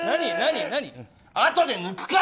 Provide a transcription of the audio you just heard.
あとで抜くから！